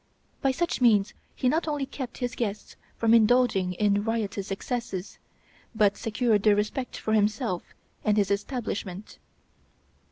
By such means he not only kept his guests from indulging in riotous excesses, but secured their respect for himself and his establishment.